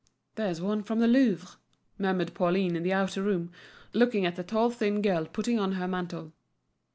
"There's one from the Louvre," murmured Pauline in the outer room, looking at a tall thin girl putting on her mantle.